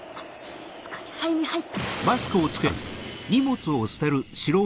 少し肺に入った。